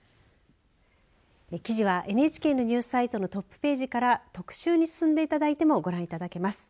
記事はＮＨＫのニュースサイトのトップページから特集に進んでいただいてもご覧いただけます。